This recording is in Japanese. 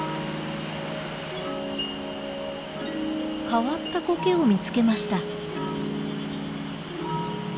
変わったコケを見つけました。